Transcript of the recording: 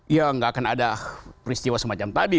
ya nggak akan ada peristiwa semacam tadi